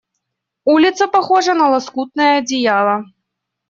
Улица похожа на лоскутное одеяло.